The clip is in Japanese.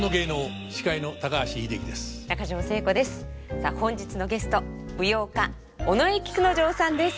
さあ本日のゲスト舞踊家尾上菊之丞さんです。